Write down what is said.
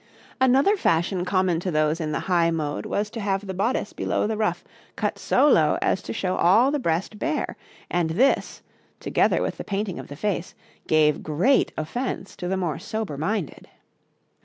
Another fashion common to those in the high mode was to have the bodice below the ruff cut so low as to show all the breast bare, and this, together with the painting of the face, gave great offence to the more sober minded.